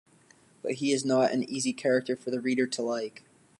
But he is not an easy character for the reader to like.